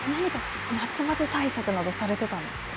夏バテ対策などはされてたんですか。